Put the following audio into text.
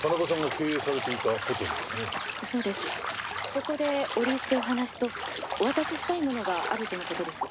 そこで折り入ってお話とお渡ししたいものがあるとの事です。